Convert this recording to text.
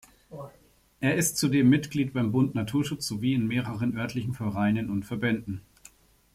Er ist zudem Mitglied beim Bund Naturschutz sowie in mehreren örtlichen Vereinen und Verbänden.